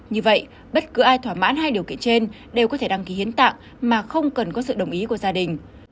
như vậy bất cứ ai thỏa mãn hai điều kiện trên đều có thể đăng ký hiến tạng mà không cần có sự đồng ý của gia đình